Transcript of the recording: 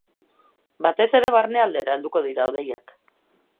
Batez ere, barnealdera helduko dira hodeiak.